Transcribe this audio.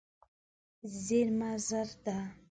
زېرمه زر ده.